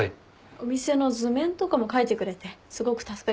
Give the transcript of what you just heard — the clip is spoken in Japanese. お店の図面？とかも描いてくれてすごく助かりました。